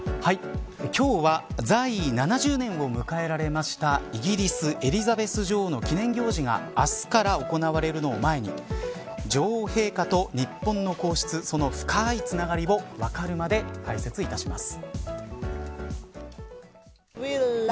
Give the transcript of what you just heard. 今日は、在位７０年を迎えられました、イギリスエリザベス女王の記念行事が明日から行われるのを前に女王陛下と日本の皇室その深いつながりをわかるまで解説いたします。